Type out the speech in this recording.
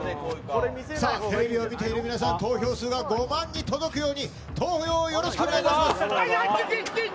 テレビを見ている皆さん、投票数が５万に届くように、投票よろしくお願いします。